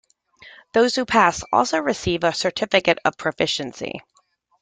Those who pass also receive a "Certificate of Proficiency".